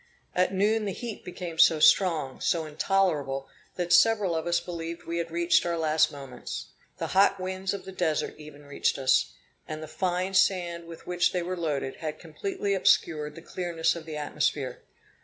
At noon the heat became so strong so intolerable, that several of us believed we had reached our last moments. The hot winds of the Desert even reached us; and the fine sand with which they were loaded, had completely obscured the clearness of the atmosphere.